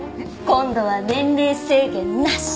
今度は年齢制限なし！